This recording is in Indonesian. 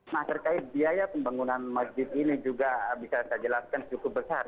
nah terkait biaya pembangunan masjid ini juga bisa saya jelaskan cukup besar